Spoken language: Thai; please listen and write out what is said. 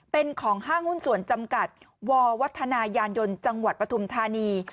เป็นของห้างหุ้นส่วนจำกัดวัฒนายานยนต์จังหวัดปฐุมธานี